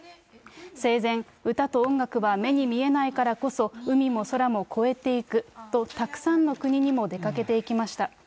生前、歌と音楽は目に見えないからこそ、海も空も超えていくとたくさんの国にも出かけていきました。